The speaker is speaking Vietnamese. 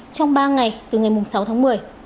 trong ba ngày từ ngày sáu tháng một mươi